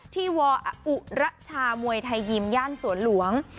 วออุระชามวยไทยยิมย่านสวนหลวง